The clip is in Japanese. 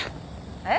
えっ？